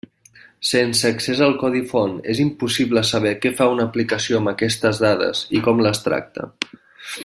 Sense accés al codi font és impossible saber què fa una aplicació amb aquestes dades, i com les tracta.